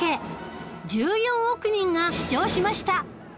１４億人が視聴しました